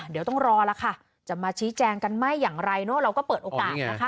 เดี๋ยวต้องรอแล้วค่ะจะมาชี้แจงกันไม่อย่างไรเนอะเราก็เปิดโอกาสนะคะ